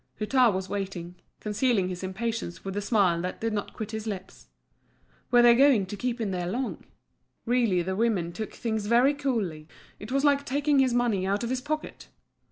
Hutin was waiting, concealing his impatience with a smile that did not quit his lips. Were they going to keep him there long? Really the women took things very coolly, it was like taking his money out of his pocket.